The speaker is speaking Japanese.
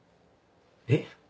えっ？